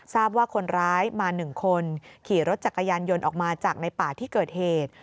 ทราบว่าคนร้ายมา๑คนขี่รถจักรยานยนต์ออกมาจากในป่าที่เกิดเหตุ